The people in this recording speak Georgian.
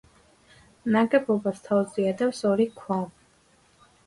ნაგებობას თავზე ადევს ორი ქვა.